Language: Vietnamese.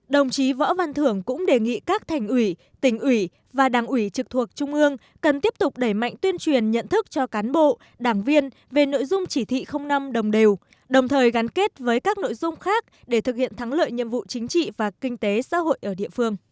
đồng chí võ văn thưởng ủy viên bộ chính trị bí thư trung ương chủ trì hội nghị